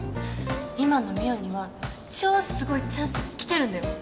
今の未央には超すごいチャンスが来てるんだよ。